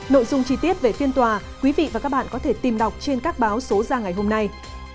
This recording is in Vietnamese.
nội dung chi tiết về phiên tòa quý vị và các bạn có thể tìm đọc trên các báo số ra ngày hôm nay